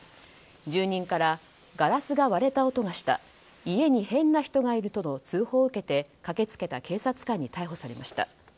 住人からガラスが割れた音がした家に変な人がいるとの通報を受けて、駆け付けた警察官に逮捕されました。